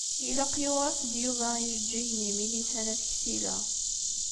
Ilaq yuɣ-as-d Yuba ijeǧǧigen i Milisa n At Ksila.